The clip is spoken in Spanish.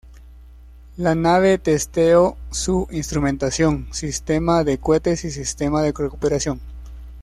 La nave testeo su instrumentación, sistema de cohetes y sistemas de recuperación.